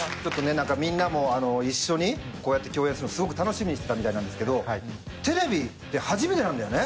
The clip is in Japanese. みんなも一緒にこうやって共演するのすごく楽しみにしてたみたいなんですけどテレビで初めてなんだよね？